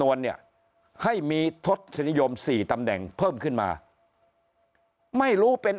วนเนี่ยให้มีทศนิยม๔ตำแหน่งเพิ่มขึ้นมาไม่รู้เป็น